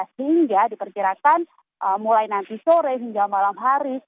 sehingga diperkirakan mulai nanti sore hingga malam hari